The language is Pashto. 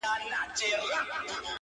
شاعرانو به کټ مټ را نقلوله!